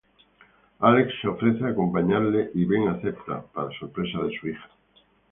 Alex se ofrece a acompañarle y Ben acepta, para sorpresa de su hija.